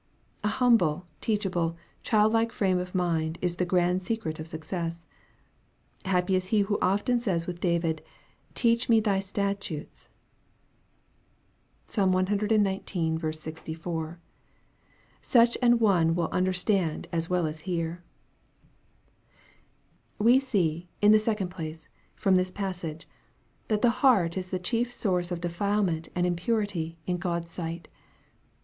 A humble, teachable, child like frame of mind is the grand secret of success. Happy is he who often says with David, " Teach me thy statutes." (Psalm cxix. 64.) Such an one will understand as well as hear. We see, in the second place, from this passage, that the heart is the chief source of defilement and impurity in God's sight.